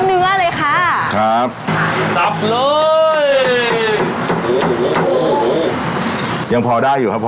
เนาะหนังกรอบมาก